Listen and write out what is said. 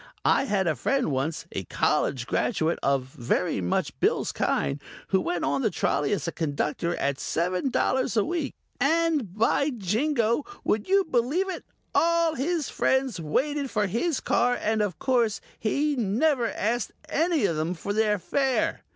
I had a friend once a college graduate of very much Bill's kind who went on the trolley as a Conductor at seven dollars a week and, by Jingo, would you believe it, all his friends waited for his car and of course he never asked any of 'em for their fare.